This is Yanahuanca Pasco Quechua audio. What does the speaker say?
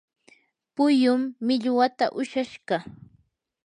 puyum millwata ushashqa.